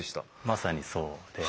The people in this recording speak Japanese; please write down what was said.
まさにそうで。